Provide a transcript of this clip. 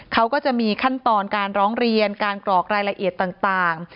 เขาก็จะมีขั้นตอนการร้องเรียนการกรอกรายละเอียดต่าง